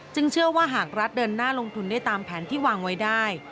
เชื่อว่าหากรัฐเดินหน้าลงทุนได้ตามแผนที่วางไว้ได้